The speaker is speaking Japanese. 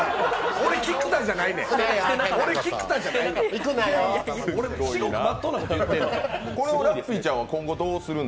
俺、菊田じゃないねん！